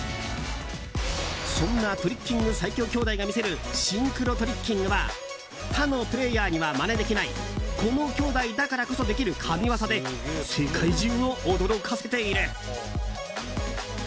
そんなトリッキング最強兄弟が見せるシンクロトリッキングは他のプレーヤーにはまねできないこの兄弟だからこそできる神技で世界中を驚かせている。